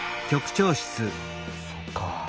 そっか。